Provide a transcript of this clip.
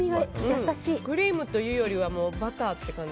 クリームというよりはバターっていう感じ。